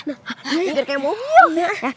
tinggal kayak mau miuh